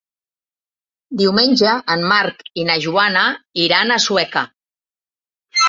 Diumenge en Marc i na Joana iran a Sueca.